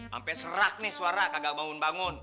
sampai serak nih suara kagak bangun bangun